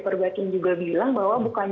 perbatin juga bilang bahwa bukan